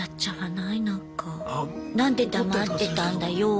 何で黙ってたんだよ。